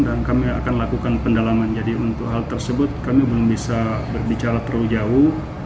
dan kami akan lakukan pendalaman jadi untuk hal tersebut kami belum bisa berbicara terlalu jauh